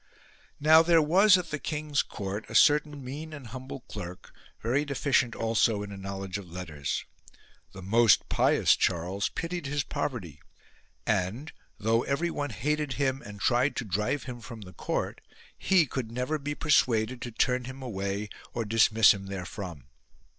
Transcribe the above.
5. Now there was at the king's court a certain E.G. 65 E A SELF INDULGENT BISHOP mean and humble clerk, very deficient also in a knowledge of letters. The most pious Charles pitied his poverty, and, though everyone hated him and tried to drive him from the court, he could never be persuaded to turn him away or dismiss him there from.